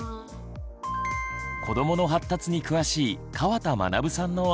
子どもの発達に詳しい川田学さんのアドバイスは。